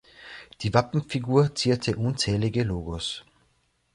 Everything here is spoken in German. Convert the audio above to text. Die Wappenfigur zierte unzählige Logos.